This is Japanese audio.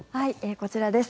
こちらです。